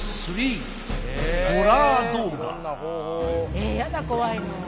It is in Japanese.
えやだ怖いの。